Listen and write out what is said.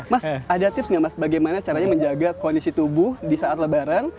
mas ada tips nggak mas bagaimana caranya menjaga kondisi tubuh di saat lebaran